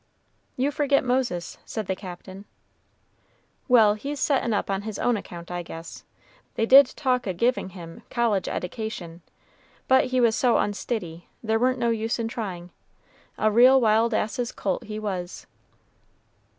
"You forget Moses," said the Captain. "Well, he's settin' up on his own account, I guess. They did talk o' giving him college eddication; but he was so unstiddy, there weren't no use in trying. A real wild ass's colt he was."